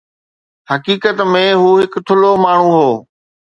حقيقت ۾ هو هڪ ٿلهو ماڻهو هو.